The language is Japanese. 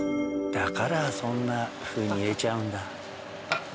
だからそんなふうに入れちゃうんだ。